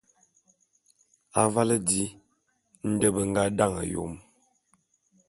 Avale di nde be nga dane Yom.